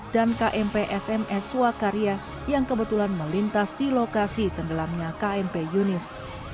dan kmp sms swakaria yang kebetulan melintas di lokasi tenggelamnya kmp yunis